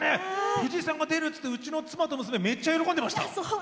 藤井さんが出るといってうちの妻と娘はめっちゃ喜んでました。